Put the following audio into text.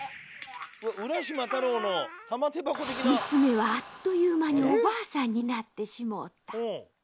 ［娘はあっという間におばあさんになってしもうた］